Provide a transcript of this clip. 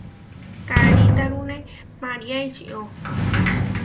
Karitárune María ičió.